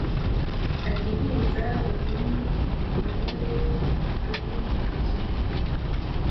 ati «nkiza ruvumu muvure turivuganara»